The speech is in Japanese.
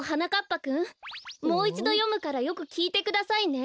ぱくんもういちどよむからよくきいてくださいね。